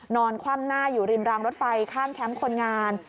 คว่ำหน้าอยู่ริมรางรถไฟข้างแคมป์คนงาน